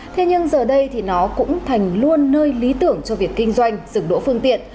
thế nhưng giờ đây thì nó cũng thành luôn nơi lý tưởng cho việc kinh doanh dừng đỗ phương tiện